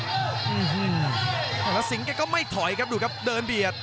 อือฮือแล้วสิงค์เนี่ยก็ไม่ถอยครับดูครับเดินเบียด